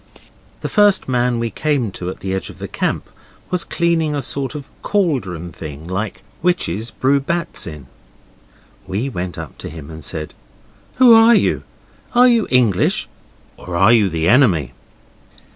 The first man we came to at the edge of the camp was cleaning a sort of cauldron thing like witches brew bats in. We went up to him and said, 'Who are you? Are you English, or are you the enemy?